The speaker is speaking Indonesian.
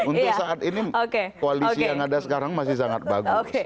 untuk saat ini koalisi yang ada sekarang masih sangat bagus